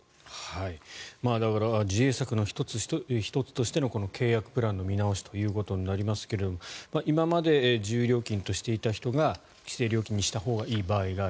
だから自衛策の１つとしてのこの契約プランの見直しとなりますが今まで自由料金としていた人が規制料金にしたほうがいい場合がある。